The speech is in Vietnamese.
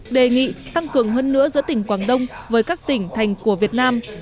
đề nghị tăng cường hơn nữa giữa tỉnh quảng đông với các tỉnh thành của việt nam